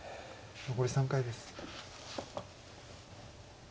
残り３回です。